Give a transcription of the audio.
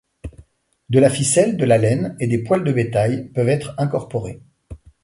De la ficelle, de la laine et des poils de bétail peuvent être incorporés.